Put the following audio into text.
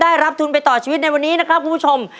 ได้รับทุนไปต่อชีวิตวันนี้คุณผู้ชม